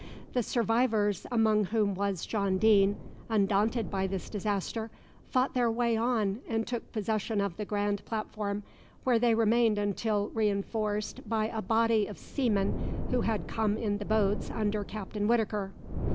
The survivors, among whom was John Deane, undaunted by this disaster, fought their way on and took possession of the grand platform, where they remained until reinforced by a body of seamen who had come in the boats under Captain Whitaker.